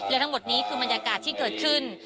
และทั้งหมดนี้คือบรรยากาศที่เกิดขึ้น